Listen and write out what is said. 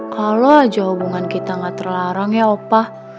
kalau aja hubungan kita gak terlarang ya opa